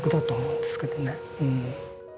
うん。